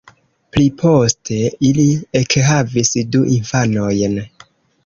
Pliposte ili ekhavis du infanojn.